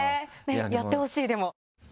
やってほしいでも。